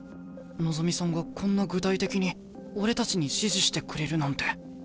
望さんがこんな具体的に俺たちに指示してくれるなんて。